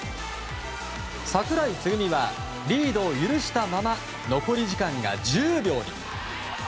櫻井つぐみはリードを許したまま残り時間が１０秒に。